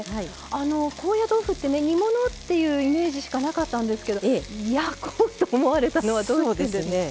高野豆腐って煮物ってイメージしかなかったんですけど焼こうと思われたのはどうしてですか？